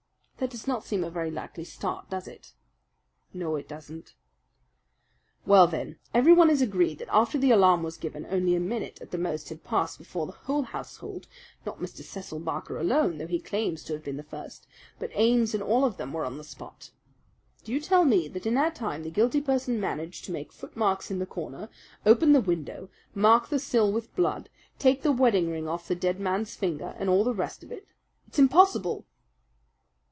That does not seem a very likely start, does it?" "No, it does not." "Well, then, everyone is agreed that after the alarm was given only a minute at the most had passed before the whole household not Mr. Cecil Barker alone, though he claims to have been the first, but Ames and all of them were on the spot. Do you tell me that in that time the guilty person managed to make footmarks in the corner, open the window, mark the sill with blood, take the wedding ring off the dead man's finger, and all the rest of it? It's impossible!"